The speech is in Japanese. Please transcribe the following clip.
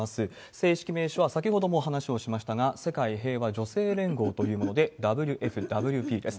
正式名称は、先ほども話をしましたが、世界平和女性連合というもので、ＷＦＷＰです。